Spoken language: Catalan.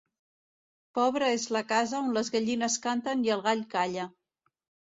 Pobra és la casa on les gallines canten i el gall calla.